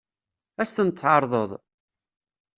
Ad as-tent-tɛeṛḍeḍ?